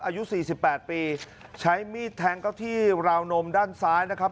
อายุสี่สิบแปดปีใช้มีดแทงเข้าที่ราวนมด้านซ้ายนะครับ